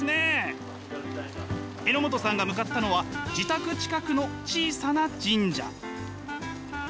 榎本さんが向かったのは自宅近くの小さな神社。